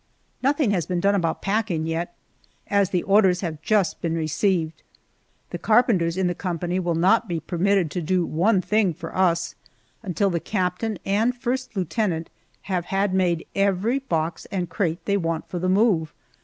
Nothing has been done about packing yet, as the orders have just been received. The carpenters in the company will not be permitted to do one thing for us until the captain and first lieutenant have had made every box and crate they want for the move.